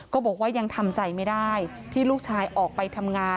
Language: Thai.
บอกว่ายังทำใจไม่ได้ที่ลูกชายออกไปทำงาน